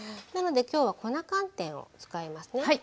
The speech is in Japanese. なのできょうは粉寒天を使いますね。